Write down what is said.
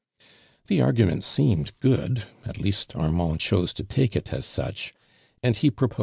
^'hc argument seemed good, at least Armnnd chose to take it as such, ami lie j>ropOi.